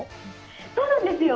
そうなんですよ。